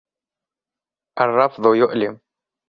الرفض يؤلم.